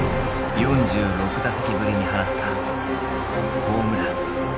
４６打席ぶりに放ったホームラン。